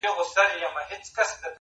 بيا دادی پخلا سوه ،چي ستا سومه.